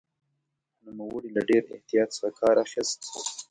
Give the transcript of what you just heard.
نوموړي له ډېر احتیاط څخه کار اخیست.